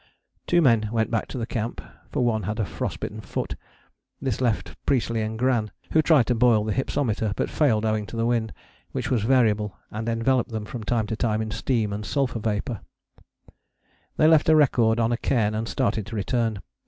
Two men went back to the camp, for one had a frost bitten foot. This left Priestley and Gran, who tried to boil the hypsometer but failed owing to the wind, which was variable and enveloped them from time to time in steam and sulphur vapour. They left a record on a cairn and started to return.